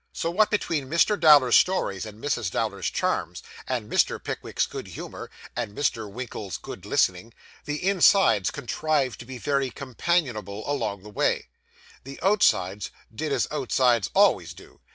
So, what between Mr. Dowler's stories, and Mrs. Dowler's charms, and Mr. Pickwick's good humour, and Mr. Winkle's good listening, the insides contrived to be very companionable all the way. The outsides did as outsides always do.